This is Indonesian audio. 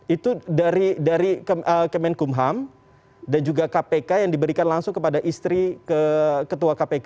itu dari kemenkumham dan juga kpk yang diberikan langsung kepada istri ketua kpk